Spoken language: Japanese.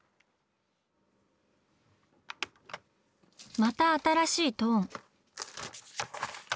また新しいトーン。